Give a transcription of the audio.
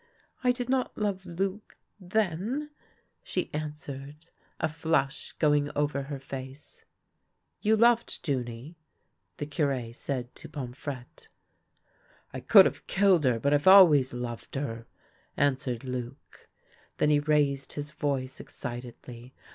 " I did not love Luc — then," she answered, a flush' going over her face. '' You loved Junie? " the Cure said to Pomfrette. " I could have killed her, but I've always loved her," answered Luc. Then he raised his voice ex citedly.